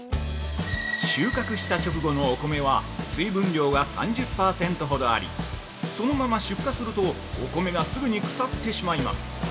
◆収穫した直後のお米は水分量が３０％ほどありそのまま出荷するとお米がすぐに腐ってしまいます。